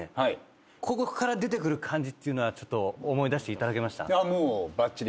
ここから出てくる感じってのは思い出していただけました？